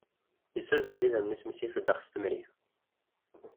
Yessazzel-d idammen-is mi i t-ifeddex s temri.